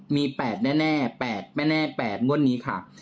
มี๘แน่๘แน่๘งวดนี้ค่ะ